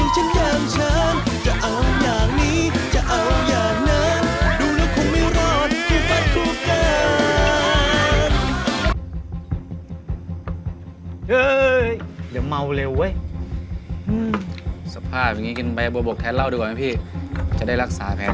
จี๊บหายแล้ว